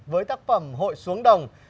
với tác phẩm hội xuống đồng